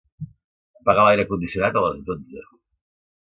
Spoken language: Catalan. Apaga l'aire condicionat a les dotze.